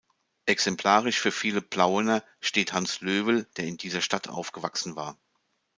Exemplarisch für viele Plauener steht Hans Löwel, der in dieser Stadt aufgewachsen war.